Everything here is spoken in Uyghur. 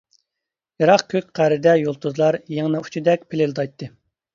يىراق كۆك قەرىدە يۇلتۇزلار يىڭنە ئۇچىدەك پىلىلدايتتى.